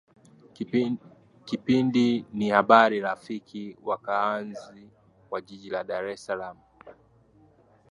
kipindi ni habari rafiki wakaazi wa jiji la dar es salaam